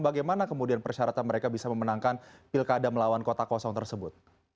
bagaimana kemudian persyaratan mereka bisa memenangkan pilkada melawan kota kosong tersebut